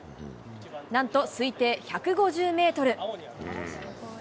なんと、推定１５０メートル。